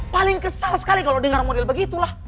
paling kesal sekali kalau dengar model begitulah